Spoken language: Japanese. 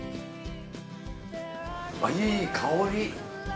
あいい香り。